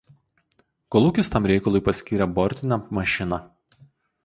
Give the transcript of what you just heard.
Kolūkis tam reikalui paskyrė bortinę mašiną